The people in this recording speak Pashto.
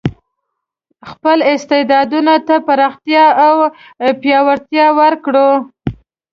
خپل استعدادونو ته پراختیا او پیاوړتیا ورکړو.